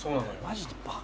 マジで？